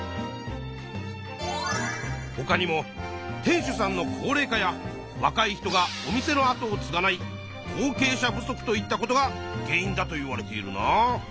ほかにも店主さんの高齢化やわかい人がお店のあとをつがない後継者不足といったことが原因だといわれているな。